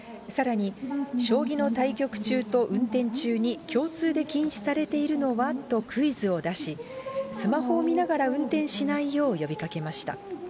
さらに、将棋の対局中と運転中に共通で禁止されているのは？とクイズを出し、スマホを見ながら運転しないよう呼びかけました。